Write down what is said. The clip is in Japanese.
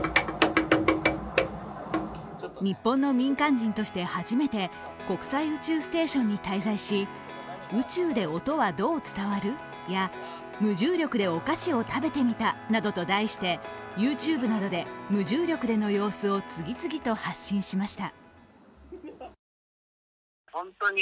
日本の民間人として初めて国際宇宙ステーションに滞在し、宇宙で音はどう伝わる？や無重力でお菓子を食べてみたなどと題して、ＹｏｕＴｕｂｅなどで無重力での様子を次々と発信しました。